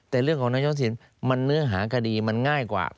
แต่เรื่องของนายกศิลป์มันเนื้อหาคดีมันง่ายกว่า